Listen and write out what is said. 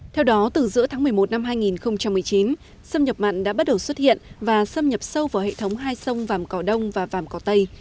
theo đó từ giữa tháng một mươi một năm hai nghìn một mươi chín xâm nhập mặn đã bắt đầu xuất hiện và xâm nhập sâu vào hệ thống hai sông vàm cỏ đông và vàm cỏ tây